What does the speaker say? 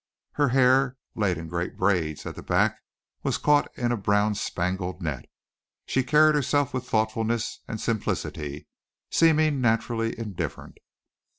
Her hair, laid in great braids at the back, was caught in a brown spangled net. She carried herself with thoughtfulness and simplicity, seeming naturally indifferent.